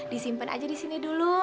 disimpan aja di sini dulu